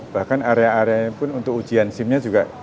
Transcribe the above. bahkan area areanya pun untuk ujian simnya juga